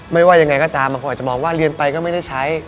ว่ายังไงก็ตามบางคนอาจจะมองว่าเรียนไปก็ไม่ได้ใช้